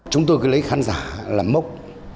chúng tôi cứ lấy khán giả làm mốc